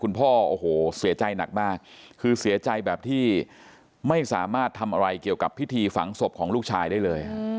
พ่อโอ้โหเสียใจหนักมากคือเสียใจแบบที่ไม่สามารถทำอะไรเกี่ยวกับพิธีฝังศพของลูกชายได้เลย